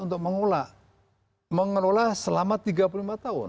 untuk mengelola selama tiga puluh lima tahun